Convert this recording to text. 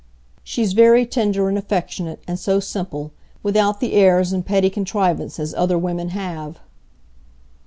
"She's very tender and affectionate, and so simple,—without the airs and petty contrivances other women have."